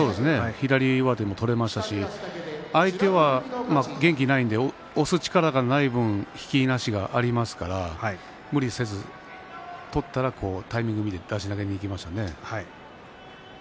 左上手も取れましたし相手は元気がないので押す力がない分引きいなしがありますので無理せず取ったらタイミングを見て出し投げにいきましたね。